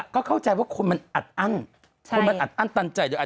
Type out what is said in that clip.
ก็เข้าใจว่าคนมันอัดอั้นตันใจ